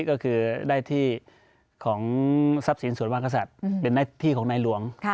ก็คือได้ที่ของทรัพย์ศิลป์สวรรคศัตริย์เป็นที่ของนายหลวง